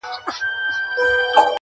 ه ياره په ژړا نه کيږي.